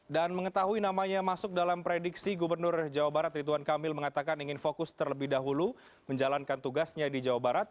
dan mengetahui namanya masuk dalam prediksi gubernur jawa barat rituan kamil mengatakan ingin fokus terlebih dahulu menjalankan tugasnya di jawa barat